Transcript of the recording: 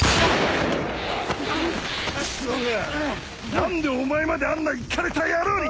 何でお前まであんなイカれた野郎に！